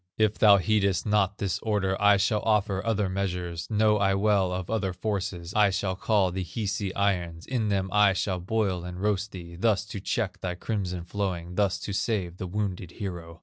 If thou heedest not this order, I shall offer other measures, Know I well of other forces; I shall call the Hisi irons, In them I shall boil and roast thee, Thus to check thy crimson flowing, Thus to save the wounded hero.